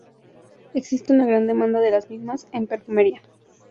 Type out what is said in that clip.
Existe una gran demanda de las mismas en perfumería.